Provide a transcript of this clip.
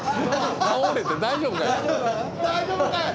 倒れて大丈夫かい。